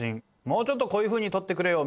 「もうちょっとこういうふうに撮ってくれよ！」